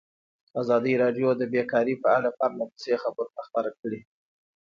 ازادي راډیو د بیکاري په اړه پرله پسې خبرونه خپاره کړي.